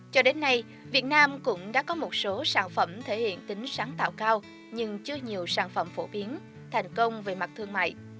cho đến nay việt nam cũng đã có một số sản phẩm thể hiện tính sáng tạo cao nhưng chưa nhiều sản phẩm phổ biến thành công về mặt thương mại